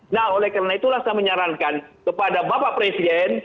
nah oleh karena itulah saya menyarankan kepada bapak presiden